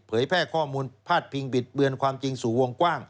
แพร่ข้อมูลพาดพิงบิดเบือนความจริงสู่วงกว้าง